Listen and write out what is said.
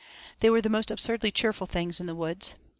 They were the most absurdly cheerful things in the woods.